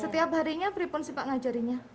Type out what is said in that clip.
setiap harinya beri pun siapak ngajarinya